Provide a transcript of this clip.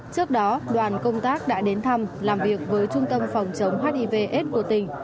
trước đó đoàn công tác đã đến thăm làm việc với trung tâm phòng chống hivs của tỉnh